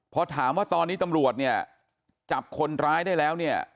พอถามว่าตอนนี้ตำรวจเนี่ยจับคนร้ายได้แล้วเนี่ย